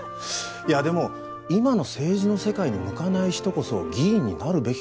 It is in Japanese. いやでも今の政治の世界に向かない人こそ議員になるべきかも。